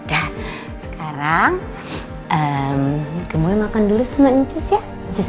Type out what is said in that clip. thank you ya din